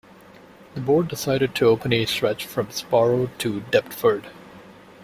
The board decided to open a stretch from Spa Road to Deptford.